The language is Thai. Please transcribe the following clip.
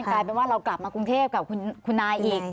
กลายเป็นว่าเรากลับมากรุงเทพกับคุณนายอีก